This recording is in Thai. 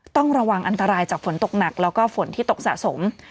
ต้องระวังอันตรายจากฝนตกหนักแล้วก็ฝนที่ตกสะสม